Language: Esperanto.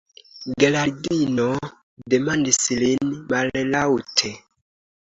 Geraldino demandis lin mallaŭte: